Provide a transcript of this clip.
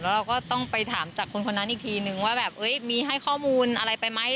เราก็ต้องไปถามจากคนนั้นอีกทีนึงว่าแบบมีให้ข้อมูลอะไรไปไหม